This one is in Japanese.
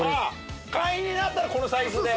会員になったらこのサイズで。